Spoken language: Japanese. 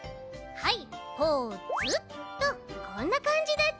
はい！